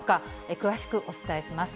詳しくお伝えします。